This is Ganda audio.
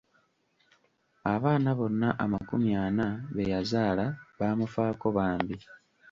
Abaana bonna amakumi ana be yazaala baamufaako bambi.